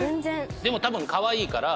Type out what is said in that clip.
でも多分かわいいから。